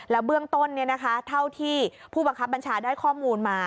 เบื้องต้นเท่าที่ผู้บังคับบัญชาได้ข้อมูลมา